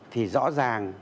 thì rõ ràng